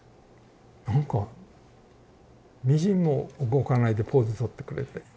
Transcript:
なんかみじんも動かないでポーズとってくれて。